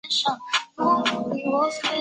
美元单位则以当年人民币平均汇率折算。